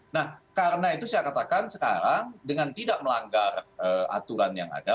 nah karena itu saya katakan sekarang dengan tidak melanggar aturan yang ada